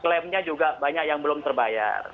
klaimnya juga banyak yang belum terbayar